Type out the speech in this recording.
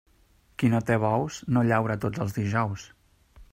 Qui no té bous, no llaura tots els dijous.